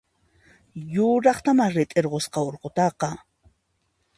Yuraqtamá rit'irusqa urqutaqa!